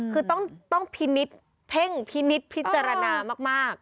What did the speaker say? คือต้องพินิษฐ์เพ่งพินิษฐ์พิจารณามาก